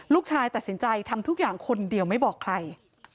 ลูกชายตัดสินใจทำทุกอย่างคนเดียวไม่บอกใคร